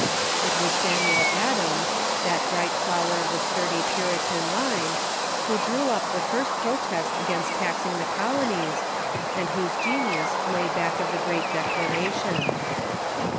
It was Samuel Adams, that bright flower of the sturdy Puritan line, who drew up the first protest against tax ing the colonies, and whose genius lay back of the Great Dec laration.